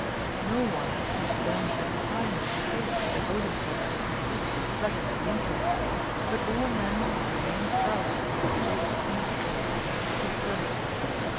No one would then have time or taste to devote himself to the pursuits or pleasures of the intellect; but all men would remain paralyzed by a state of common ignorance and equal servitude.